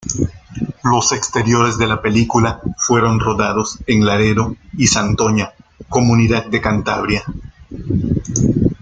Los exteriores de la película fueron rodados en Laredo y Santoña, comunidad de Cantabria.